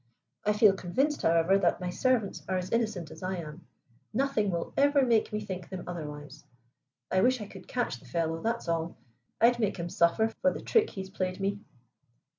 I feel convinced, however, that my servants are as innocent as I am. Nothing will ever make me think them otherwise. I wish I could catch the fellow, that's all. I'd make him suffer for the trick he's played me."